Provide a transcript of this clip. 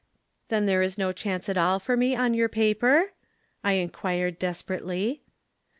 Then there is no chance at all for me on your paper?' I inquired desperately.